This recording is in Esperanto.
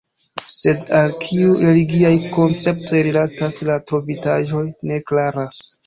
Sed al kiuj religiaj konceptoj rilatas la trovitaĵoj, ne klaras.